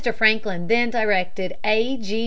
Franklin then directed A. G.